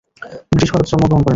British ভারতে জন্মগ্রহণ করেন।